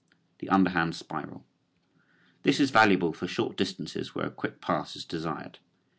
THE UNDERHAND SPIRAL. This is valuable for short distances where a quick pass is desired.